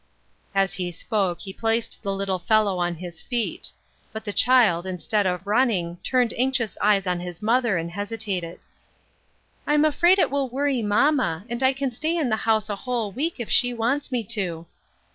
As he spoke, he placed the little fellow on his 6 AFTER SIX YEARS. feet. But the child, instead of running, turned anxious eyes on his mother and hesitated. " I'm afraid it will worry mamma, and I can stay in the house a whole week if she wants me to."